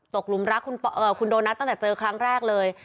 หลุมรักคุณโดนัทตั้งแต่เจอครั้งแรกเลย